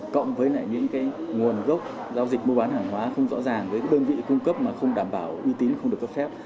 cộng với những nguồn gốc giao dịch mua bán hàng hóa không rõ ràng với đơn vị cung cấp mà không đảm bảo uy tín không được cấp phép